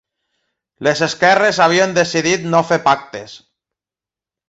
Les esquerres havien decidit no fer pactes.